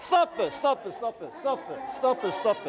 ストップストップストップストップストップ。